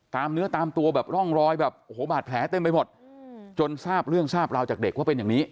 เนื้อตามตัวแบบร่องรอยแบบโอ้โหบาดแผลเต็มไปหมดจนทราบเรื่องทราบราวจากเด็กว่าเป็นอย่างนี้